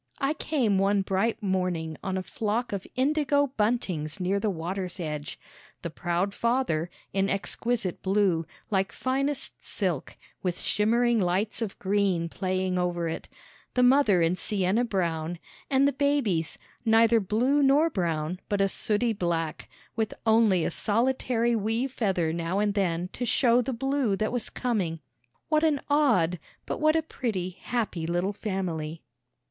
I came one bright morning on a flock of indigo buntings near the water's edge, the proud father, in exquisite blue, like finest silk, with shimmering lights of green playing over it, the mother in siena brown, and the babies, neither blue nor brown, but a sooty black, with only a solitary wee feather now and then to show the blue that was coming. What an odd, but what a pretty, happy little family!